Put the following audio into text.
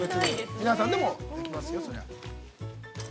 皆さんでもできますよ、そりゃ。